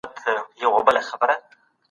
یوه ورځ له خپل